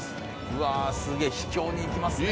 うわすげぇ秘境に行きますね。